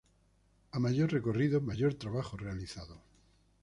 A mayor recorrido, mayor trabajo realizado.